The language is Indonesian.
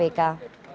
ini di kpk